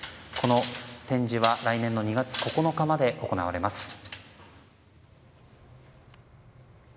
この展示は来年の２月９日まで行われます。